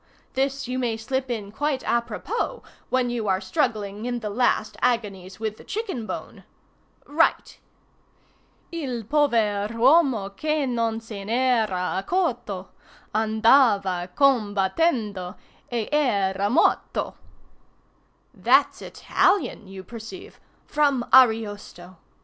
This you may slip in quite a propos when you are struggling in the last agonies with the chicken bone. Write! 'Il pover 'huomo che non se'n era accorto, Andava combattendo, e era morto.' "That's Italian, you perceive—from Ariosto.